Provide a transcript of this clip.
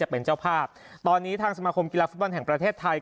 เป็นเจ้าภาพตอนนี้ทางสมาคมกีฬาฟุตบอลแห่งประเทศไทย